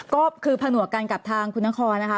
ก็คือผนวกกันกับทางคุณนครนะคะ